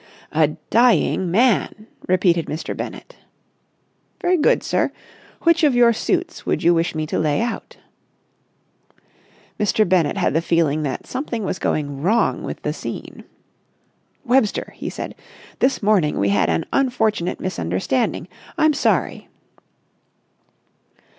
"A dying man!" repeated Mr. Bennett. "Very good, sir. Which of your suits would you wish me to lay out?" Mr. Bennett had the feeling that something was going wrong with the scene. "Webster," he said, "this morning we had an unfortunate misunderstanding. I'm sorry."